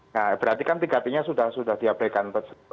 nah berarti kan tiga t nya sudah diabaikan